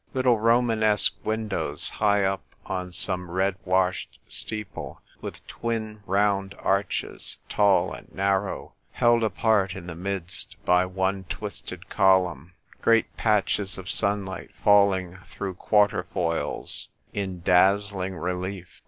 Little Romanesque windows, high up on some red washed steeple, with twin round arches, tall and narrow, held apart in the midst by one twisted column ; great patches of sunlight falling through quater foils in dazzling relief "WHEREFORE ART THOU UOMEO